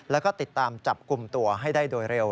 แล้วก็ติดตามจับกลุ่มตัวให้ได้โดยเร็ว